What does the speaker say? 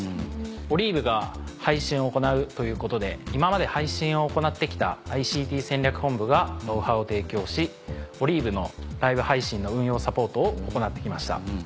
ＯＬＩＶＥが配信を行うということで今まで配信を行って来たＩＣＴ戦略本部がノウハウを提供しＯＬＩＶＥのライブ配信の運用サポートを行って来ました。